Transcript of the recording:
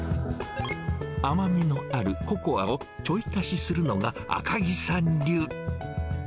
甘みのあるココアをちょい足しするのが赤木さん流。